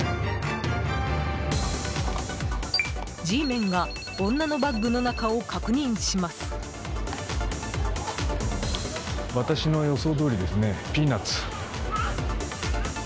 Ｇメンが女のバッグの中を確認します。